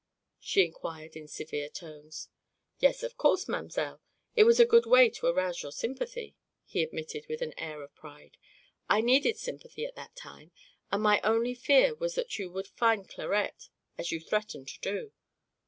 she inquired in severe tones. "Yes, of course, mamselle; it was a good way to arouse your sympathy," he admitted with an air of pride. "I needed sympathy at that time, and my only fear was that you would find Clarette, as you threatened to do.